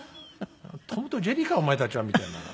トムとジェリーかお前たちはみたいな。